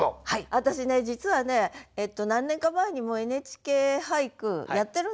私ね実はね何年か前にも「ＮＨＫ俳句」やってるんですよ。